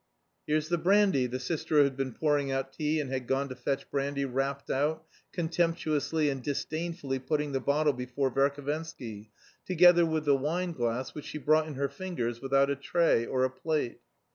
"Here's the brandy," the sister who had been pouring out tea and had gone to fetch brandy rapped out, contemptuously and disdainfully putting the bottle before Verhovensky, together with the wineglass which she brought in her fingers without a tray or a plate.